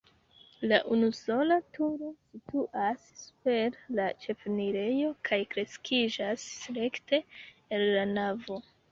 La unusola turo situas super la ĉefenirejo kaj kreskiĝas rekte el la navo.